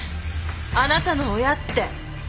あなたの親って。